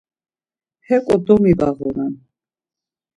Heǩo domibağuna...